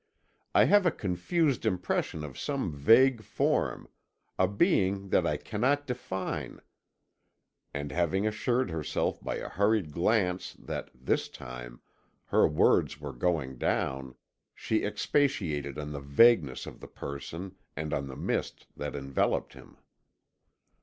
I have a confused impression of some vague form, a being that I cannot define," and having assured herself by a hurried glance that, this time, her words were going down, she expatiated on the vagueness of the person and on the mist that enveloped him.